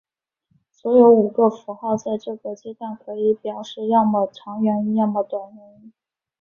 所有五个符号在这个阶段可以表示要么长元音要么短元音。